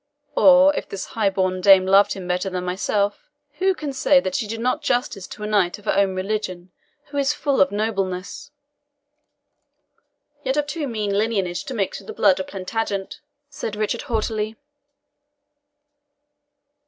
Or, if this high born dame loved him better than myself, who can say that she did not justice to a knight of her own religion, who is full of nobleness?" "Yet of too mean lineage to mix with the blood of Plantagenet," said Richard haughtily.